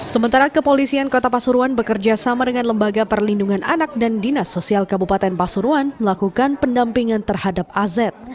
sementara kepolisian kota pasuruan bekerja sama dengan lembaga perlindungan anak dan dinas sosial kabupaten pasuruan melakukan pendampingan terhadap az